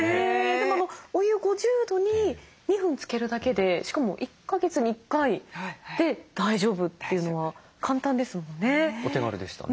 でもお湯５０度に２分つけるだけでしかも１か月に１回で大丈夫というのは簡単ですもんね。お手軽でしたね。